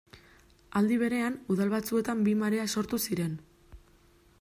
Aldi berean, udal batzuetan bi marea sortu ziren.